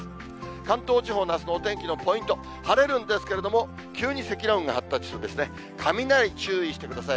関東地方のあすのお天気のポイント、晴れるんですけれども、急に積乱雲が発達する、雷注意してください。